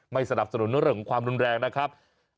สนับสนุนเรื่องของความรุนแรงนะครับ